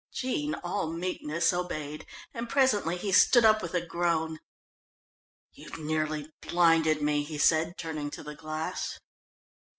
Jean, all meekness, obeyed, and presently he stood up with a groan. "You've nearly blinded me," he said, turning to the glass.